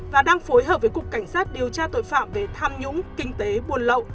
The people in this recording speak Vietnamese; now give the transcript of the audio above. và đang phối hợp với cục cảnh sát điều tra tội phạm về tham nhũng kinh tế buôn lậu